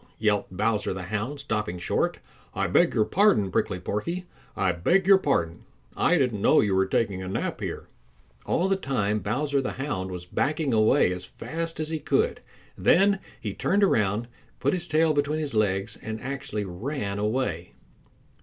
yelped Bowser the Hound, stopping short. "I beg your pardon, Prickly Porky, I beg your pardon, I didn't know you were taking a nap here." All the time Bowser the Hound was backing away as fast as he could. Then he turned around, put his tail between his legs and actually ran away.